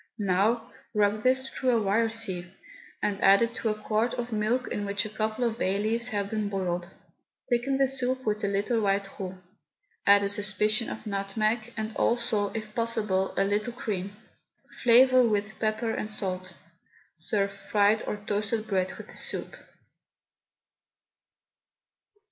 Now rub this through a wire sieve and add it to a quart of milk in which a couple of bay leaves have been boiled. Thicken the soup with a little white roux, add a suspicion of nutmeg, and also, if possible, a little cream. Flavour with pepper and salt. Serve fried or toasted bread with the soup.